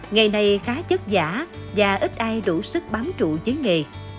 nghề này khá chất giả và ít ai đủ sức bám trụ với nghề